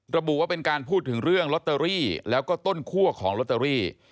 ระบุว่าเป็นการพูดถึงเรื่องลอตเตอรี่แล้วก็ต้นคั่วของลอตเตอรี่